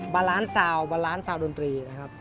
บาลานซาวน์ดนตรีนะครับ